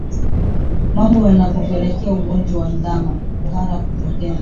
Mambo yanayopelekea ugonjwa wa ndama kuhara kutokea